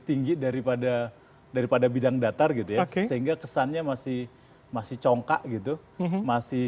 tinggi daripada daripada bidang datar gitu ya sehingga kesannya masih masih congkak gitu masih